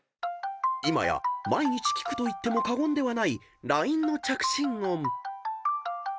［今や毎日聞くと言っても過言ではないＬＩＮＥの着信音］